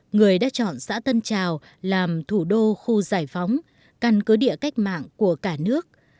người đã chọn xã tân trào làm thủ đô khu giải phóng căn cứ địa cách mạng của cả nước